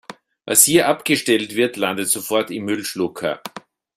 Was hier abgestellt wird, landet sofort im Müllschlucker.